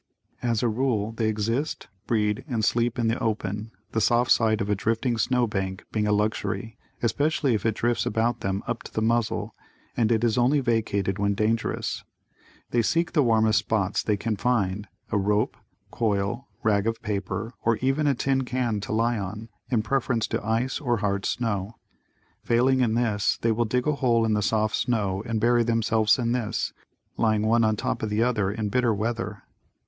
As a rule, they exist, breed and sleep in the open, the soft side of a drifting snow bank being a luxury, especially if it drifts about them up to the muzzle, and it is only vacated when dangerous. They seek the warmest spots they can find, a rope coil, rag or paper, or even a tin can to lie on, in preference to ice or hard snow. Failing in this, they will dig a hole in the soft snow and bury themselves in this, lying one on top of the other in bitter weather.